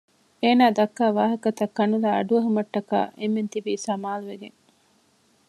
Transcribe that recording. އޭނާ ދައްކާ ވާހަކަތައް ކަނުލާ އަޑުއެހުމައްޓަކާ އެންމެން ތިބީ ސަމާލުވެގެން